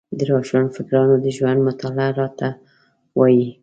د روښانفکرانو د ژوند مطالعه راته وايي.